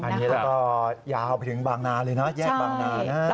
อันนี้แล้วก็ยาวไปถึงบางนาเลยนะแยกบางนานะ